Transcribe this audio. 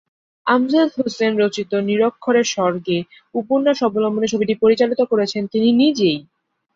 আমজাদ হোসেন রচিত "নিরক্ষর স্বর্গে" উপন্যাস অবলম্বনে ছবিটি পরিচালনা করেছেন তিনি নিজেই।